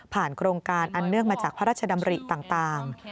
โครงการอันเนื่องมาจากพระราชดำริต่าง